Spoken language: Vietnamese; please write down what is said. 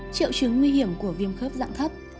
triệu chứng nguy hiểm của viêm khớp dạng thấp